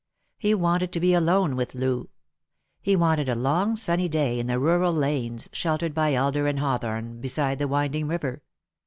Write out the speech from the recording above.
He wanted to be alone with Loo. He wanted a long sunny day in the rural lanes, sheltered by elder and hawthorn, beside the winding river.